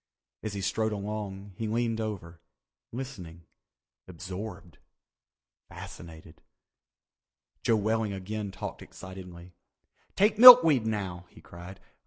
As he strode along, he leaned over, listening—absorbed, fascinated. Joe Welling again talked excitedly. "Take milkweed now," he cried.